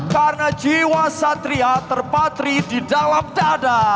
karena jiwa satria terpatri di dalam dada